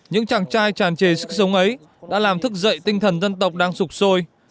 những chàng trai tràn trề sức sống ấy đã làm thức dậy tinh thần dân tộc đang sụp sôi